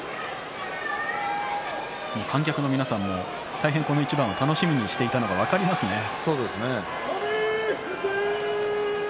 観客の皆さんも大変この一番を楽しみにしていたのがそうですね。